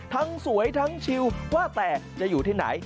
สวยทั้งชิลว่าแต่จะอยู่ที่ไหน